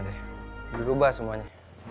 udah ngerubah semuanya